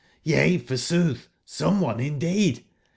Yea, forsooth some one indeed!